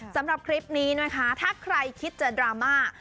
สำหรับคลิปนี้นะคะถ้าใครคิดจะดราม่า